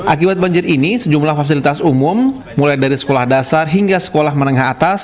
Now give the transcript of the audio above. akibat banjir ini sejumlah fasilitas umum mulai dari sekolah dasar hingga sekolah menengah atas